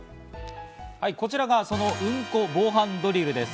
こちらがその『うんこ防犯ドリル』です。